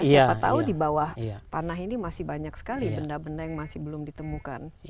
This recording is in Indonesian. siapa tahu di bawah tanah ini masih banyak sekali benda benda yang masih belum ditemukan